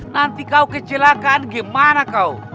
nanti kau kecelakaan gimana kau